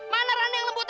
mana rani yang lembut hati